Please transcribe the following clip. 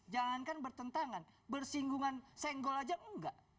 jangan kan bertentangan bersinggungan senggol aja enggak